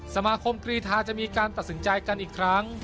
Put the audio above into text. สมาคมกรีธาจะมีการตัดสินใจกันอีกครั้ง